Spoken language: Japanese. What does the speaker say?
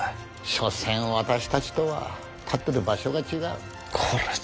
所詮私たちとは立ってる場所が違う。